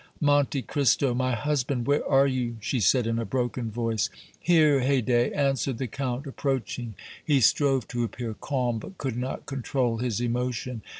"Monte Cristo, my husband, where are you?" she said, in a broken voice. "Here, Haydée," answered the Count, approaching. He strove to appear calm, but could not control his emotion.